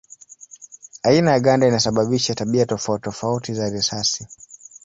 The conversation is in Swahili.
Aina ya ganda inasababisha tabia tofauti tofauti za risasi.